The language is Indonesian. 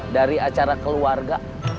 dari acara keluarga